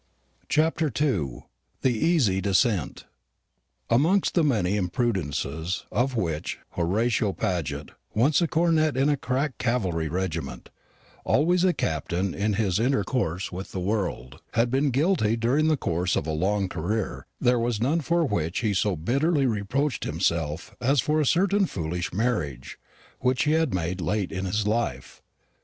CHAPTER II. THE EASY DESCENT Amongst the many imprudences of which Horatio Paget once a cornet in a crack cavalry regiment, always a captain in his intercourse with the world had been guilty during the course of a long career, there was none for which he so bitterly reproached himself as for a certain foolish marriage which he had made late in his life.